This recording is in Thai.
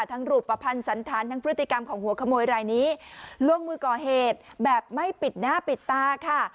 รูปภัณฑ์สันธารทั้งพฤติกรรมของหัวขโมยรายนี้ลงมือก่อเหตุแบบไม่ปิดหน้าปิดตาค่ะ